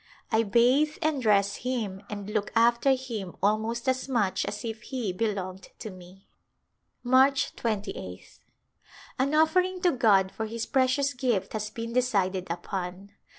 I bathe and dress him and look after him almost as much as if he belonged to me. March 28th. An offering to God for His precious gift has been decided upon.